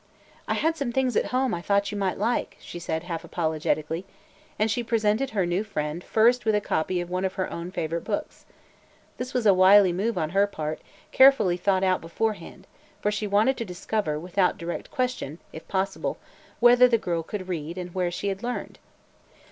"I had some things at home that I thought you might like," she said half apologetically, and she presented her new friend first with a copy of one of her own favorite books. This was a wily move on her part, carefully thought out beforehand, for she wanted to discover, without direct question, if possible, whether the girl could read and where she had learned.